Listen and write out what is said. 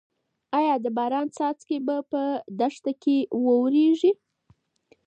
ايا د باران څاڅکي به په دښته کې واوریږي؟